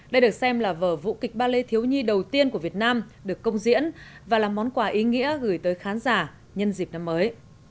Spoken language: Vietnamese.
đây được xem là vở vũ kịch ba lê thiếu nhi đầu tiên của việt nam được công diễn và là món quà ý nghĩa gửi tới khán giả nhân dịp năm mới